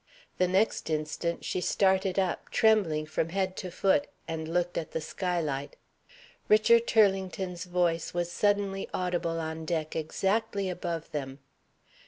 The next instant she started up, trembling from head to foot, and looked at the sky light. Richard Turlington's voice was suddenly audible on deck exactly above them.